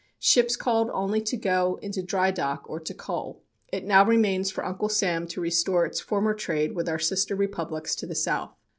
Ships called only to go into drydock or to coal. It now remains for Uncle Sam to restore its former trade with our sister republics to the south.